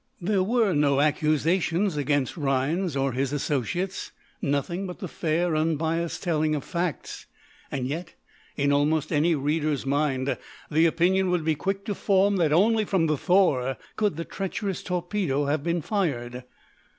There were no accusations against Rhinds or his associates nothing but the fair, unbiased telling of facts. And yet, in almost any reader's mind the opinion would be quick to form that only from the "Thor" could the treacherous torpedo have been fired.